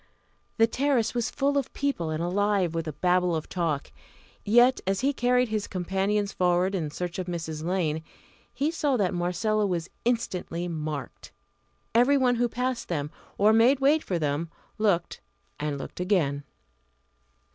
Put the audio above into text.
The terrace was full of people, and alive with a Babel of talk. Yet, as he carried his companions forward in search of Mrs. Lane, he saw that Marcella was instantly marked. Every one who passed them, or made way for them, looked and looked again.